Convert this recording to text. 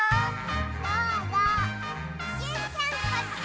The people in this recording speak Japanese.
どうぞジュンちゃんこっち！